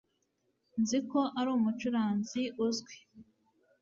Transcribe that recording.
Nzi ko ari umucuranzi uzwi